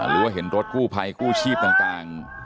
หรือว่าเห็นรถกู้ภัยกู้ชีพต่าง